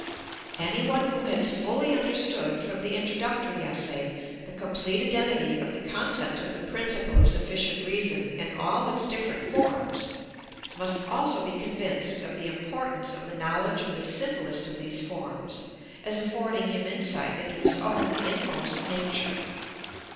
Any one who has fully understood from the introductory essay the complete identity of the content of the principle of sufficient reason in all its different forms, must also be convinced of the importance of the knowledge of the simplest of these forms, as affording him insight into his own inmost nature.